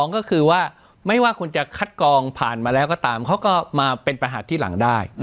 ก็คือว่าไม่ว่าคุณจะคัดกองผ่านมาแล้วก็ตามเขาก็มาเป็นประหัสที่หลังได้